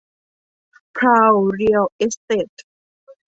พราว เรียล เอสเตท